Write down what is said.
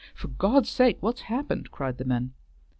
"For God's sake what's happened?" cried the men.